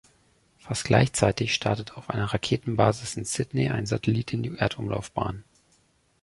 Fast gleichzeitig startet auf einer Raketenbasis in Sydney ein Satellit in die Erdumlaufbahn.